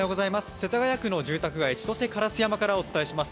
世田谷区の住宅街、千歳烏山からお伝えします。